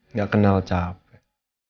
nggak kenal capek